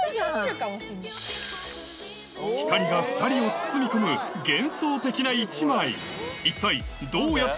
光が２人を包み込む幻想的な一枚一体えっ！